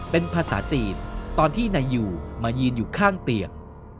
เป็นภาษาจีนตอนที่นายอยู่มายืนอยู่ข้างเตียง